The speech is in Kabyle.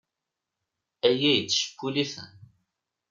Aya yettcewwil-iten.